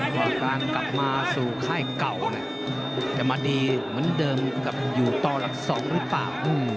ว่าการกลับมาสู่ค่ายเก่าจะมาดีเหมือนเดิมกับอยู่ต่อหลัก๒หรือเปล่า